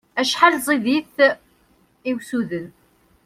Acḥal ẓid-it i usuden!